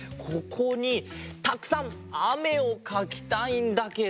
ここにたくさんあめをかきたいんだけど。